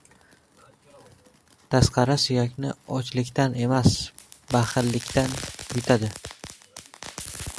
• Tasqara suyakni ochlikdan emas, baxillikdan yutadi.